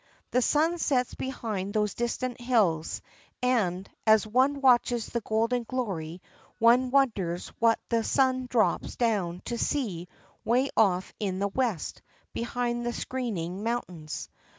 The sun sets behind those distant hills and as one watches the golden glory one wonders what the sun drops down to see away off in the West behind the screening moun tains.